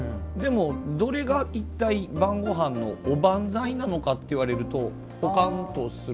どれが一体、晩ごはんのおばんざいなのかっていわれるとぽかんとする。